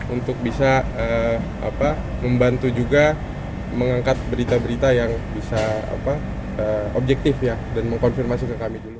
untuk bisa membantu juga mengangkat berita berita yang bisa objektif dan mengkonfirmasi ke kami dulu